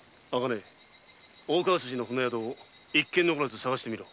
茜大川筋の船宿を一軒残らず探してみろ。